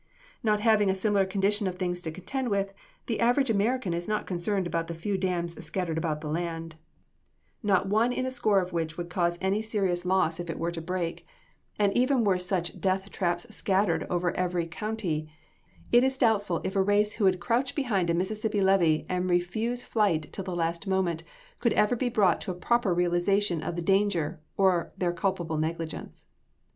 Not having a similar condition of things to contend with, the average American is not concerned about the few dams scattered about the land, not one in a score of which would cause any serious loss were it to break: and even were such death traps scattered over every county, it is doubtful if a race who will crouch behind a Mississippi levee and refuse flight till the last moment, could ever be brought to a proper realization of the danger, or their culpable negligence.